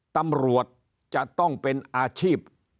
ตำรวจจะต้องเป็นอาชีพ